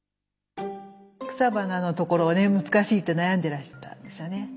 草花のところはね難しいって悩んでらしたんですよね。